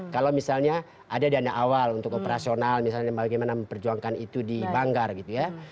kalau misalnya ada dana awal untuk operasional misalnya bagaimana memperjuangkan itu di banggar gitu ya